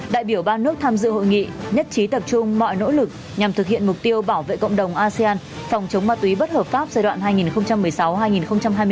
đại biểu ba nước tham dự hội nghị nhất trí tập trung mọi nỗ lực nhằm thực hiện mục tiêu bảo vệ cộng đồng asean phòng chống ma túy bất hợp pháp giai đoạn hai nghìn một mươi sáu hai nghìn hai mươi bốn